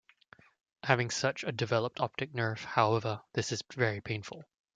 Having such a developed optic nerve, however, this is very painful.